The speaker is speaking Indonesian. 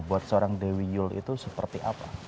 buat seorang dewi yul itu seperti apa